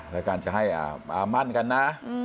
แล้วการจะให้มั่นกันนะ